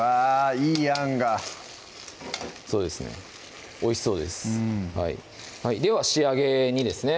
いいあんがそうですねおいしそうですでは仕上げにですね